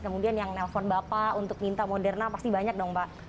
kemudian yang nelfon bapak untuk minta moderna pasti banyak dong pak